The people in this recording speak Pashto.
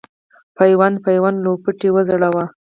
پیوند پیوند لوپټې وځلوه